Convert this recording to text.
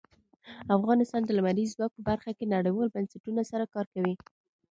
افغانستان د لمریز ځواک په برخه کې نړیوالو بنسټونو سره کار کوي.